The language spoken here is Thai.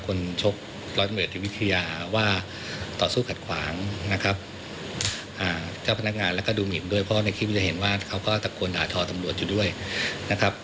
คนชบร้อยตำรวจในวิทยาว่าต่อสู้กัดขวางนะครับ